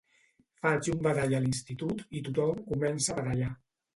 Faig un badall a l'institut i tothom comença a badallar.